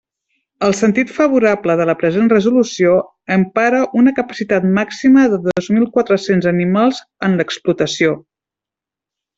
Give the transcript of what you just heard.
El sentit favorable de la present resolució empara una capacitat màxima dos mil quatre-cents animals en l'explotació.